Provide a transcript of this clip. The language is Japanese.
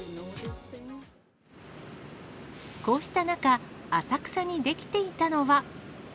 こうした中、浅草に出来ていたのは。